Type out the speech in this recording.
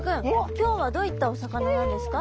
今日はどういったお魚なんですか？